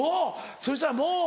そしたらもう。